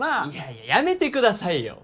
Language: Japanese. いややめてくださいよ！